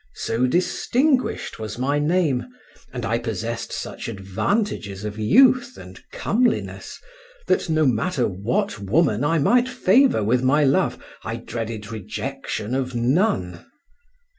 So distinguished was my name, and I possessed such advantages of youth and comeliness, that no matter what woman I might favour with my love, I dreaded rejection of none.